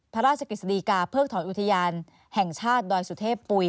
พระราชกฤษฎีกาเพิกถอนอุทยานแห่งชาติดอยสุเทพปุ๋ย